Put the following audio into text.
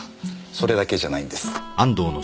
それだけじゃないんです。